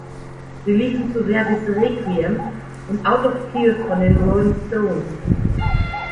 Sie liefen zu Verdis Requiem und „Out of Tears“ von den Rolling Stones.